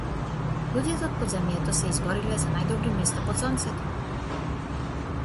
Луѓе од подземјето се избориле за најдобри места под сонцето.